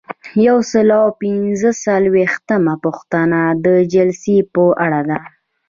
یو سل او پنځه څلویښتمه پوښتنه د جلسې په اړه ده.